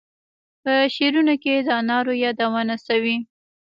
په شعرونو کې د انارو یادونه شوې.